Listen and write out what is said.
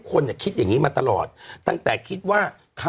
อันคารที่ผ่านมานี่เองไม่กี่วันนี่เอง